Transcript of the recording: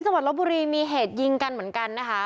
ลบบุรีมีเหตุยิงกันเหมือนกันนะคะ